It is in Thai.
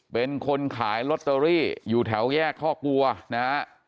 เป็นคนขายลอตเตอรี่อยู่แถวแยกข้อกลัวนะฮะ